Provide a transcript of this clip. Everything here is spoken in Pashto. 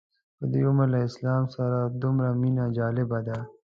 په دې عمر له اسلام سره دومره مینه جالبه ده.